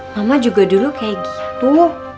mama juga dulu kayak gitu